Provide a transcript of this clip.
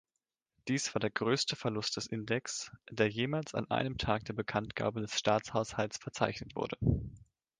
Dies war der größte Verlust des Index, der jemals an einem Tag der Bekanntgabe des Staatshaushalts verzeichnet wurde.